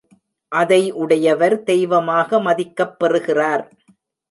அதை உடையவர் தெய்வமாக மதிக்கப் பெறுகிறார்.